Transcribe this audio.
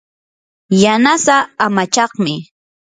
yanasaa amachaqmi.